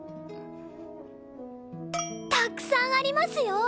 たくさんありますよ！